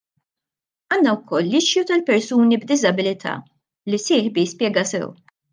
Għandna wkoll l-issue tal-persuni b'diżabilità li sieħbi spjegaha sew.